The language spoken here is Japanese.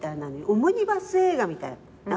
オムニバス映画みたい。